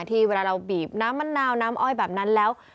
เวลาเราบีบน้ำมะนาวน้ำอ้อยแบบนั้นแล้ว